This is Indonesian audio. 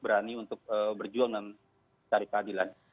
berani untuk berjuang dan mencari keadilan